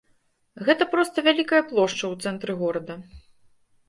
Гэта проста вялікая плошча ў цэнтры горада.